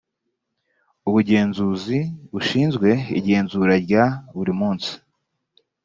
ubugenzuzi bushinzwe igenzura rya buri munsi